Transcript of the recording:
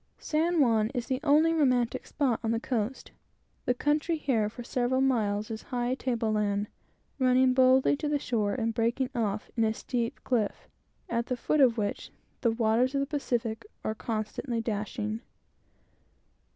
San Juan is the only romantic spot in California. The country here for several miles is high table land, running boldly to the shore, and breaking off in a steep hill, at the foot of which the waters of the Pacific are constantly dashing.